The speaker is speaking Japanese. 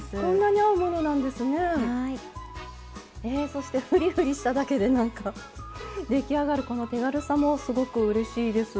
そしてふりふりしただけで何か出来上がるこの手軽さもすごくうれしいです。